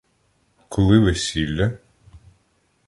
Коли весілля?